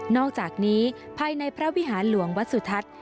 อกจากนี้ภายในพระวิหารหลวงวัดสุทัศน์